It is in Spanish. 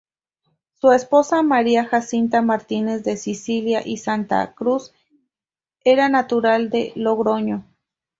Su esposa, María Jacinta Martínez de Sicilia y Santa Cruz, era natural de Logroño.